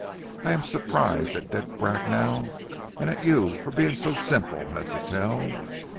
I am surprised at Dick Bracknell, and at you for being so simple as to tell....